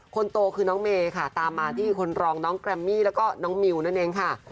คนโตคือน้องเมย์ค่ะตามมาที่คนรองน้องแกรมมี่แล้วก็น้องมิวนั่นเองค่ะ